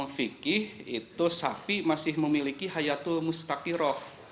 hukum fikih itu sapi masih memiliki hayatul mustaqiroh